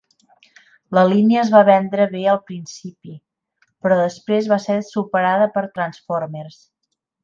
La línia es va vendre bé al principi però després va ser superada per Transformers.